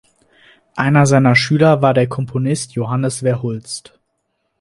Einer seiner Schüler war der Komponist Johannes Verhulst.